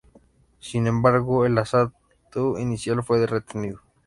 Sin embargo, el asalto inicial fue retenido.